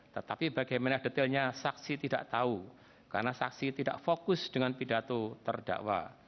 tetapi bagaimana detailnya saksi tidak tahu karena saksi tidak fokus dengan pidato terdakwa